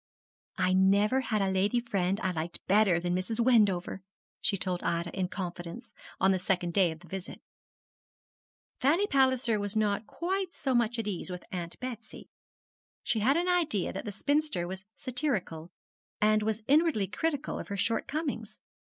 'I never had a lady friend I liked better than Mrs. Wendover,' she told Ida, in confidence, on the second day of the visit. Fanny Palliser was not quite so much at ease with Aunt Betsy. She had an idea that the spinster was satirical, and was inwardly critical of her shortcomings.